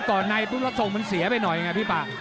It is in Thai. กดในพรุธส่งมันเสียไปหน่อยอันไงพี่ป่า